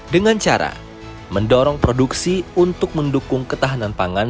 dengan cara mendorong produksi untuk mendukung ketahanan pangan